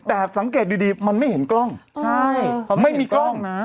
แต่สังเกตอยู่ดีมันไม่เห็นกล้องไม่มีกล้อง